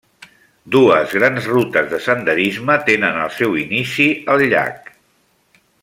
Dues grans rutes de senderisme tenen el seu inici al llac.